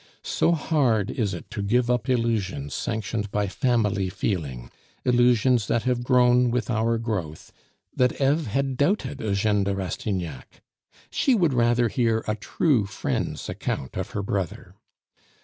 So hard is it to give up illusions sanctioned by family feeling, illusions that have grown with our growth, that Eve had doubted Eugene de Rastignac. She would rather hear a true friend's account of her brother.